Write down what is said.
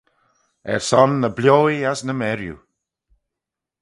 Er son ny bioee as ny merriu.